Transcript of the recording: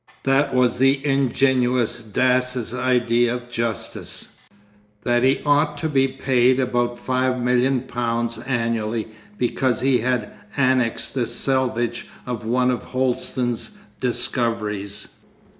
That was the ingenuous Dass's idea of justice, that he ought to be paid about five million pounds annually because he had annexed the selvage of one of Holsten's discoveries.